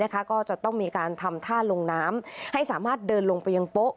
ก็จะต้องมีการทำท่าลงน้ำให้สามารถเดินลงไปยังโป๊ะ